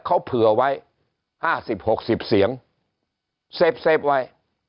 เขาเผื่อไว้ห้าสิบหกสิบเสียงเสพไว้